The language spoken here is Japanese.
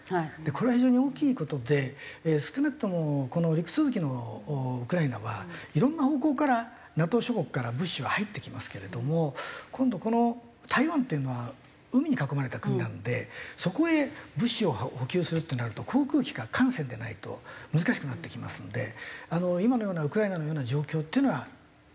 これは非常に大きい事で少なくともこの陸続きのウクライナはいろんな方向からＮＡＴＯ諸国から物資は入ってきますけれども今度この台湾っていうのは海に囲まれた国なのでそこへ物資を補給するってなると航空機か艦船でないと難しくなってきますので今のようなウクライナのような状況っていうのはできない。